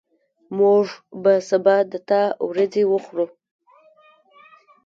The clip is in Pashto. موږ به سبا د تا وریځي وخورو